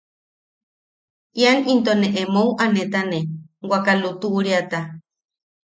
Ian into ne emou a netane waka lutuʼuriata.